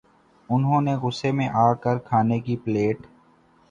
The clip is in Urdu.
انھوں نے غصے میں آ کر کھانے کی پلیٹ